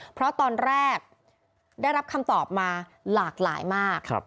เพราะตอนแรกได้รับคำตอบมาหลากหลายมาก